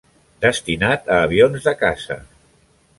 Destinat a avions de caça.